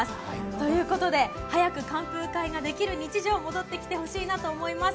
ということで、早く観楓会ができる日常戻ってきてほしいなと思います。